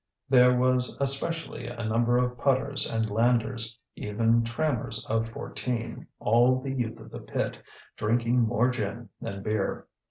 There was especially a number of putters and landers, even trammers of fourteen, all the youth of the pit, drinking more gin than beer.